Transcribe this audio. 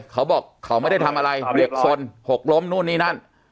เขาบอกเขาไม่ได้ทำอะไรเด็กสนหกล้มนู่นนี่นั่น